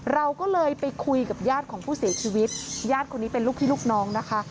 เราก็เลยไปคุยกับญาติของผู้เสียชีวิตญาติคนนี้เป็นลูกพี่ลูกน้องนะคะ